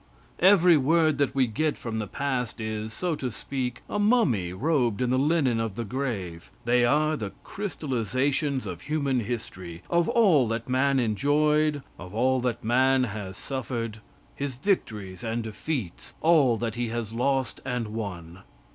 Every word that we get from the past is, so to speak, a mummy robed in the linen of the grave. They are the crystallizations of human history, of all that man enjoyed, of all that man has suffered, his victories and defeats, all that he has lost and won.